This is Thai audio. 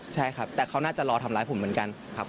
ใช่ครับแต่เขาน่าจะรอทำร้ายผมเหมือนกันครับ